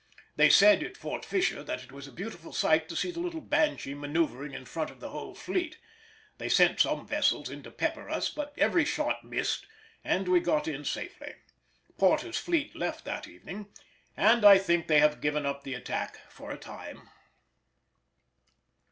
They said at Fort Fisher that it was a beautiful sight to see the little Banshee manœuvring in front of the whole fleet. They sent some vessels in to pepper us, but every shot missed, and we got in safely. Porter's fleet left that evening, and I think they have given up the attack for a time.